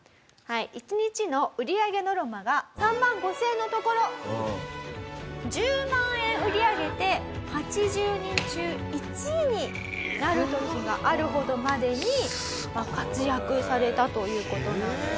一日の売り上げノルマが３万５０００円のところ１０万円売り上げて８０人中１位になる時があるほどまでに活躍されたという事なんです。